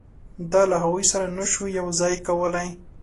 دا له هغوی سره نه شو یو ځای کولای.